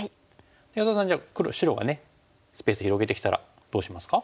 安田さんじゃあ白がスペース広げてきたらどうしますか？